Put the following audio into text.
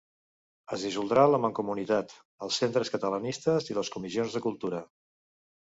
Es dissoldrà la Mancomunitat, els centres catalanistes i les comissions de cultura.